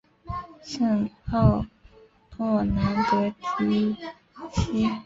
圣奥诺兰德迪西。